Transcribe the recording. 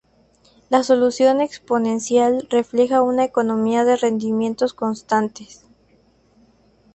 La solución exponencial refleja una economía de rendimientos constantes.